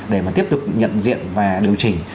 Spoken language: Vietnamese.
để mà tiếp tục nhận diện và điều chỉnh